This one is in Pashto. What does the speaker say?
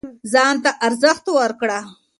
ځان ته ارزښت ورکړه